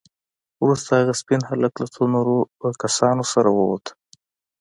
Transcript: وروسته هغه سپين هلک له څو نورو کسانو سره ووت.